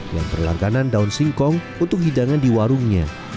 yang berlangganan daun singkong untuk hidangan di warungnya